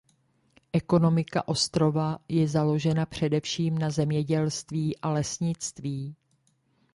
Ekonomika ostrova je založena především na zemědělství a lesnictví.